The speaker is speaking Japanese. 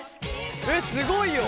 えっすごいよ！